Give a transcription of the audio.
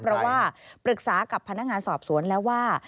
เพราะว่าปรึกษากับพนักงานสอบสวนแล้วว่า